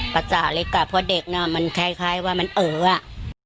ประสาเหล็กก่อนเพราะเด็กมันคล้ายว่ามันเอ๋ออ่ะ